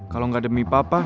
kalo gak demi papa